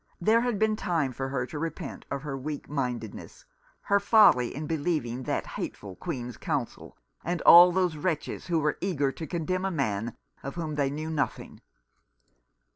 There had been time for her to repent of her weak mindedness, her folly in believing that hateful Queen's Counsel, and all those wretches who were eager to condemn a man of whom they knew nothing.